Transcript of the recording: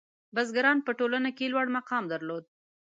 • بزګران په ټولنه کې لوړ مقام درلود.